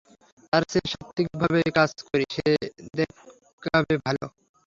তার চেয়ে সাত্ত্বিকভাবে কাজ করি, সে দেখাবে ভালো।